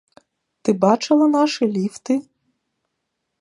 Ты бачыла нашы ліфты?